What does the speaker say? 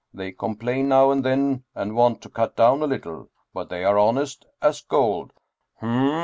They complain now and then and want to cut down a little, but they are honest as gold."